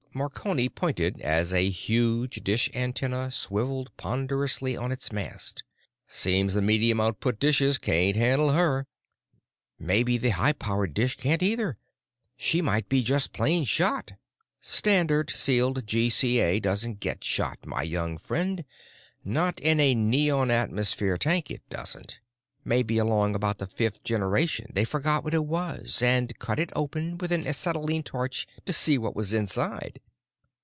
Marconi pointed as a huge dish antenna swiveled ponderously on its mast. "Seems the medium output dishes can't handle her." "Maybe the high power dish can't either. She might be just plain shot." "Standard, sealed GCA doesn't get shot, my young friend. Not in a neon atmosphere tank it doesn't." "Maybe along about the fifth generation they forgot what it was and cut it open with an acetylene torch to see what was inside."